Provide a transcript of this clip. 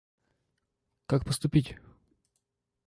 Как поступить?